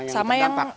sama yang terdampak